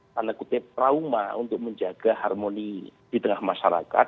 tanda kutip trauma untuk menjaga harmoni di tengah masyarakat